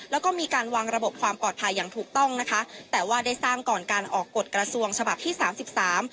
แล้วก็มีการวางระบบความปลอดภัยอย่างถูกต้องนะคะแต่ว่าได้สร้างก่อนการออกกฎกระทรวงฉบับที่สามสิบสาม